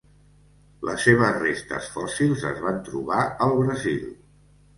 Les seves restes fòssils es van trobar al Brasil.